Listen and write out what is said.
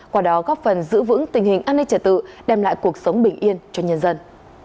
quả đó góp phần giữ vững tình hình an ninh trẻ tử đem lại cuộc sống bình yên cho nhân dân